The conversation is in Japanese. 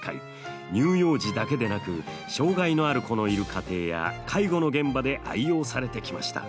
乳幼児だけでなく障害のある子のいる家庭や介護の現場で愛用されてきました。